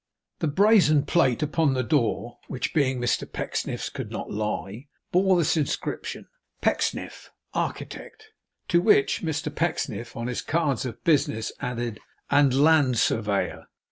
The brazen plate upon the door (which being Mr Pecksniff's, could not lie) bore this inscription, 'PECKSNIFF, ARCHITECT,' to which Mr Pecksniff, on his cards of business, added, AND LAND SURVEYOR.